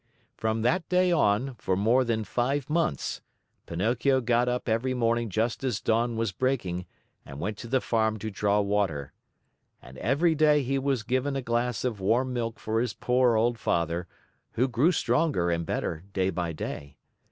From that day on, for more than five months, Pinocchio got up every morning just as dawn was breaking and went to the farm to draw water. And every day he was given a glass of warm milk for his poor old father, who grew stronger and better day by day.